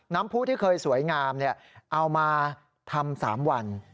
ผู้ที่เคยสวยงามเอามาทำ๓วัน